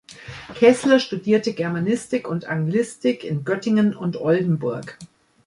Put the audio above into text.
Keßler studierte Germanistik und Anglistik in Göttingen und Oldenburg.